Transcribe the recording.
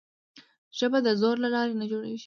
ژبه د زور له لارې نه جوړېږي.